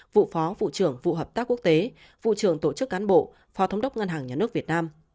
vụ phó vụ trưởng vụ hợp tác quốc tế vụ trưởng tổ chức cán bộ phó thống đốc ngân hàng nhà nước việt nam